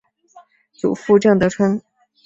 祖父郑得春。